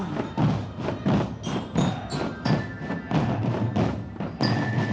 dan penata roma iv